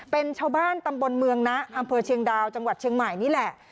เป็นชาวบ้านตำบลเมืองนะอำเภอเชียงดาวจังหวัดเชียงใหม่นี่แหละ